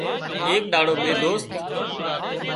ايڪ ۮاڙو ٻي دوست